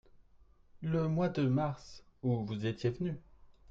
Le mois de mars où vous étiez venus.